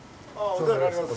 お世話になります。